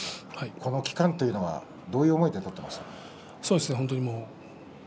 この期間というのはどういう思いで取っていましたか？